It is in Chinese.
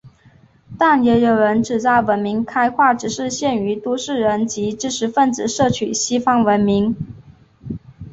但也有人指摘文明开化只是限于都市人及知识分子摄取西方文明。